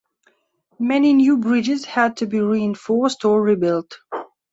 Many new bridges had to be reinforced or rebuilt.